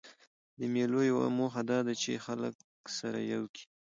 د مېلو یوه موخه دا ده، چي خلک سره یو کي.